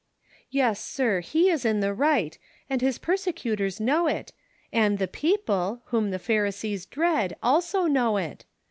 " Yes, sir ; he is in the right, and his persecutors know it, and the peojjle, whom the pharisees dread, also know it.